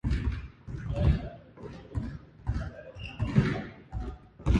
両手を膝に置き、前に向けて思いっきり力をかけて、やっと立ち上がることができた